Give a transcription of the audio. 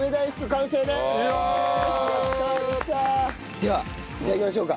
ではいただきましょうか。